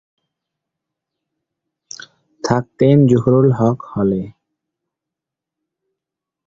থাকতেন জহুরুল হক হলে।